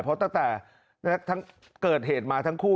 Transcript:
เพราะตั้งแต่เกิดเหตุมาทั้งคู่